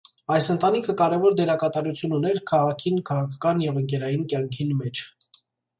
Այս ընտանիքը կարեւոր դերակատարութիւն ունէր քաղաքին քաղաքական եւ ընկերային կեանքին մէջ։